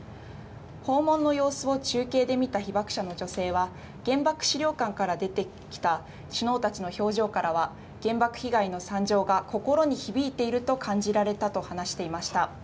訪問の様子を中継で見た被爆者の女性は、原爆資料館から出てきた首脳たちの表情からは、原爆被害の惨状が心に響いていると感じられたと話していました。